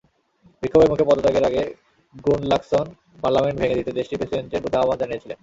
বিক্ষোভের মুখে পদত্যাগের আগে গুনলাগসন পার্লামেন্ট ভেঙে দিতে দেশটির প্রেসিডেন্টের প্রতি আহ্বান জানিয়েছিলেন।